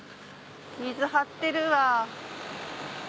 水張ってるわ。